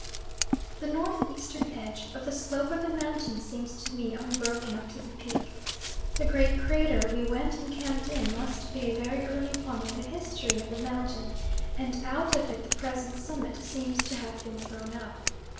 The north eastern edge of the slope of the mountain seems to me unbroken up to the peak. The great crater we went and camped in must be a very early one in the history of the mountain, and out of it the present summit seems to have been thrown up.